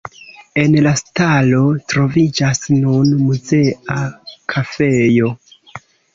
En la stalo troviĝas nun muzea kafejo.